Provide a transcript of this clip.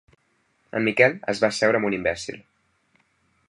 En Miquel es va asseure amb un imbècil.